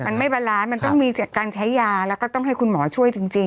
มันไม่บาลานซ์มันต้องมีจากการใช้ยาแล้วก็ต้องให้คุณหมอช่วยจริง